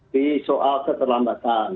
di soal keterlambatan